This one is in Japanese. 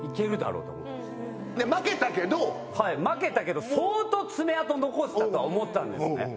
はい負けたけど相当爪痕残せたと思ったんですね。